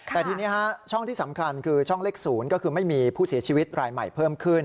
แต่ทีนี้ช่องที่สำคัญคือช่องเลข๐ก็คือไม่มีผู้เสียชีวิตรายใหม่เพิ่มขึ้น